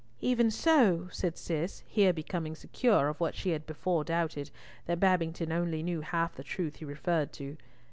"Even so," said Cis, here becoming secure of what she had before doubted, that Babington only knew half the truth he referred to.